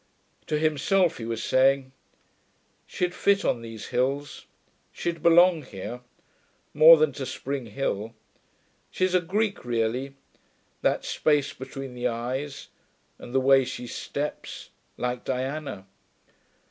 To himself he was saying, 'She'd fit on these hills; she'd belong here, more than to Spring Hill. She's a Greek really ... that space between the eyes, and the way she steps ... like Diana....